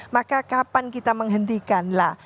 maka kapan kita menghentikan lah